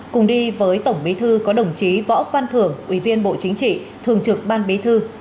cùng đi với tổng bí thư có đồng chí võ văn thưởng ủy viên bộ chính trị thường trực ban bí thư